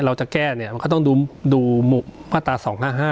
เราจะแก้เนี้ยมันก็ต้องดูดูหมู่ว่าตาสองห้าห้า